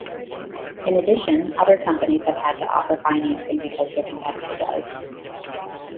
In addition, other companies have had to offer financing because their competitor does.